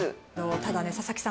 ただね佐々木さん